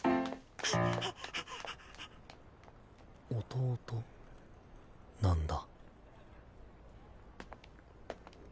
弟なんだ。